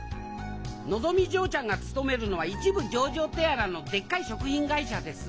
のぞみ嬢ちゃんが勤めるのは一部上場とやらのでっかい食品会社です。